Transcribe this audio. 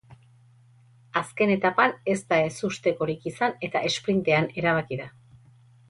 Azken etapan ez da ezustekorik izan eta esprintean erabaki da.